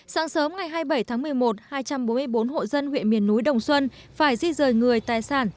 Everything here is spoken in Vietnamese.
sáng sớm ngày hai mươi bảy tháng một mươi một hai trăm bốn mươi bốn hộ dân huyện miền núi đồng xuân phải di rời người tài sản